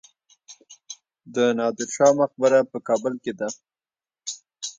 د نادر شاه مقبره په کابل کې ده